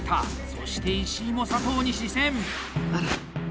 そして石井も佐藤に視線！